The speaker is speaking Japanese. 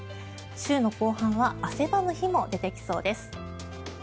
週の後半は汗ばむ日も出てきそうです。